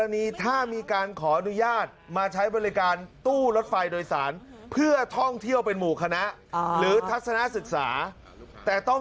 ปฏิเสมอนเพื่อท่องเที่ยวเป็นหมู่คณะหรือทัศนสึกษาแต่ต้อง